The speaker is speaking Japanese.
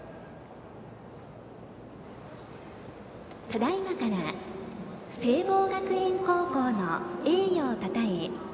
ただいまから聖望学園高校の栄誉をたたえ